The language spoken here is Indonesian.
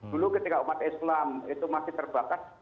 dulu ketika umat islam itu masih terbatas